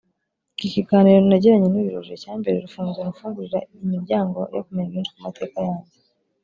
Iki kiganiro nagiranye n’uyu Roger cyambereye urufunguzo rumfungurira imiryango yo kumenya byinshi ku mateka yanjye